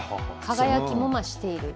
輝きも増している？